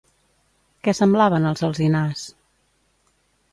Què semblaven els alzinars?